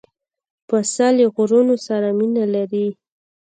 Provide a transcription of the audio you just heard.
پسه له غرونو سره مینه لري.